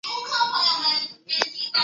太安明侯